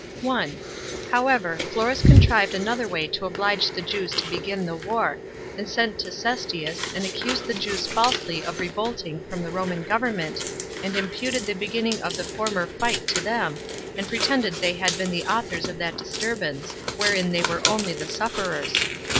1. However, Florus contrived another way to oblige the Jews to begin the war, and sent to Cestius, and accused the Jews falsely of revolting [from the Roman government], and imputed the beginning of the former fight to them, and pretended they had been the authors of that disturbance, wherein they were only the sufferers.